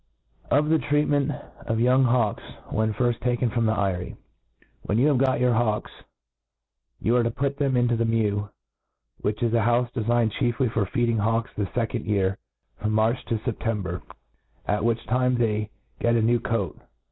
Of the Treatment ofymng Hawks when firji taken from the Eyrie. WHEN you have got your young hawks, you arc to put them into the mew, which is a houfc deiigned chiefly for feeding hawks the fecond year, from March to September, at which time they get a new coat.